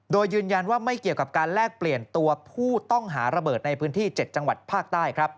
โดยยืนยันว่าไม่เกี่ยวกับการแลกเปลี่ยนตัวผู้ต้องหาระเบิดในพื้นที่๗จังหวัดภาคใต้